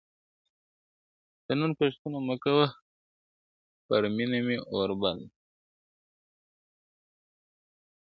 د نن پوښتنه مه کوه پر مېنه مي اور بل دی ..